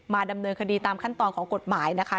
ดำเนินคดีตามขั้นตอนของกฎหมายนะคะ